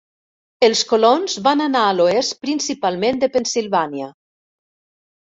Els colons van anar a l'oest principalment de Pennsilvània.